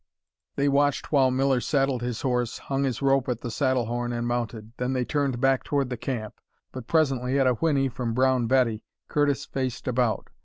They watched while Miller saddled his horse, hung his rope at the saddle horn, and mounted. Then they turned back toward the camp, but presently, at a whinny from Brown Betty, Curtis faced about.